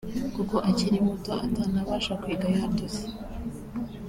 kuko akiri muto atanabasha kwiga yatose